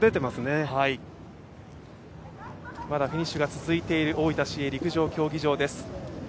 まだフィニッシュが続いている大分市営陸上競技場です。